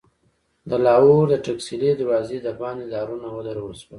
د لاهور د ټکسلي دروازې دباندې دارونه ودرول شول.